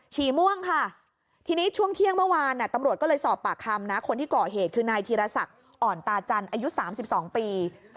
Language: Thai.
ฉี่ม่วงค่ะทีนี้ช่วงเที่ยงเมื่อวานตำรวจก็เลยสอบปากคำนะคนที่ก่อเหตุคือนายธีรศักดิ์อ่อนตาจันทร์อายุ๓๒ปี